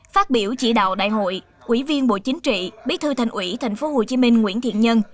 phát biểu chỉ đạo đại hội ủy viên bộ chính trị bí thư thành ủy tp hcm nguyễn thiện nhân